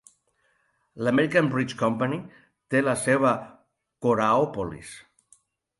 L'American Bridge Company té la seu a Coraopolis.